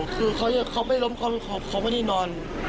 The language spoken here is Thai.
คือเขาไม่ล้มเขาไม่ได้นอน